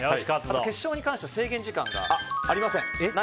決勝に関しては制限時間がありません。